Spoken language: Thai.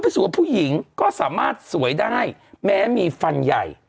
สวยผู้หญิงก็สามารถสวยได้แม้มีฟันใหญ่